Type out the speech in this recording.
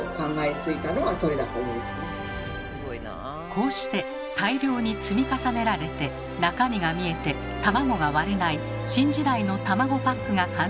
こうして大量に積み重ねられて中身が見えて卵が割れない新時代の卵パックが完成。